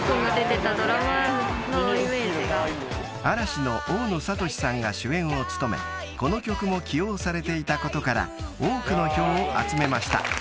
［嵐の大野智さんが主演を務めこの曲も起用されていたことから多くの票を集めました］